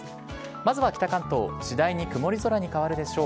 まずは北関東、次第に曇り空に変わるでしょう。